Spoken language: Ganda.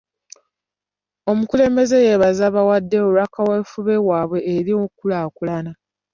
Omukulembeze yeebaza abaawaddeyo olwa kaweefube waabwe eri nkulaakulana.